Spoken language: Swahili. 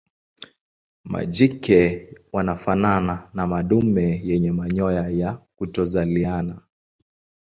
Majike wanafanana na madume yenye manyoya ya kutokuzaliana.